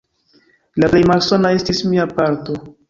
La plej malsana estis mia palto.